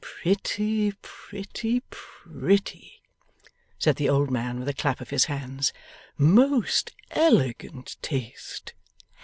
'Pretty, pretty, pretty!' said the old man with a clap of his hands. 'Most elegant taste!